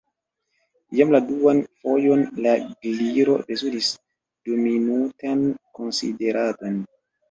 Jam la duan fojon la Gliro bezonis duminutan konsideradon.